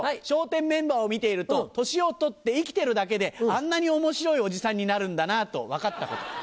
笑点メンバーを見ていると年を取って生きてるだけであんなに面白いおじさんになるんだなと分かったこと。